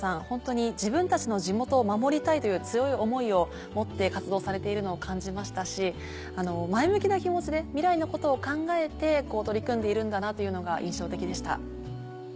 ホントに自分たちの地元を守りたいという強い思いを持って活動されているのを感じましたし前向きな気持ちで未来のことを考えて取り組んでいるんだなというのが印象的でした。